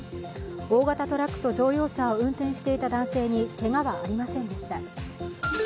大型トラックと乗用車を運転していた男性にけがはありませんでした。